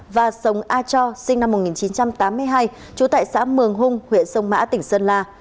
và sống a cho sinh năm một nghìn chín trăm tám mươi hai trú tại xã mường hung huyện sông mã tỉnh sơn la